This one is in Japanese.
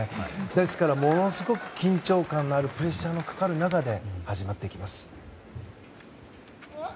ですからものすごく緊張感のあるプレッシャーのかかる中で始まっていきます。